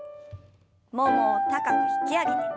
ももを高く引き上げて。